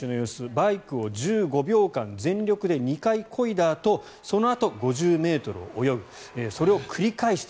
バイクを１５秒間全力で２回こいだあとそのあと５０ｍを泳ぐそれを繰り返す。